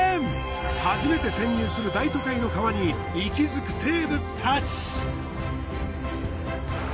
初めて潜入する大都会の川に息づく生物たち。